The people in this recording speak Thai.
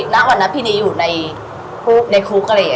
ในภายในคุก